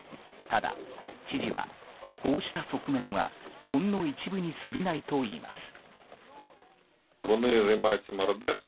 ただ、知事はこうした側面はほんの一部に過ぎないといいます。